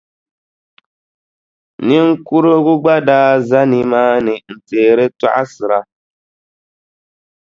Niŋkura gba daa za nimaani n-teeri tɔɣisiri.